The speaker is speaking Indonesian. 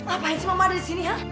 apaan sih mama ada di sini ha